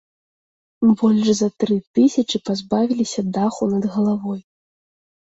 Больш за тры тысячы пазбавіліся даху над галавой.